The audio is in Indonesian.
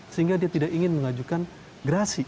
sehingga dia tidak ingin mengajukan gerasi